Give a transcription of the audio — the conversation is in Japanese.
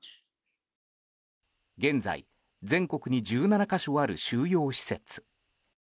現在、全国に１７か所ある収容施設。